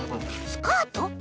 スカート？